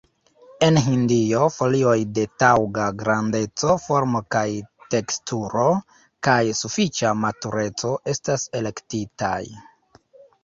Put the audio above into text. En Hindio, folioj de taŭga grandeco, formo kaj teksturo, kaj sufiĉa matureco estas elektitaj.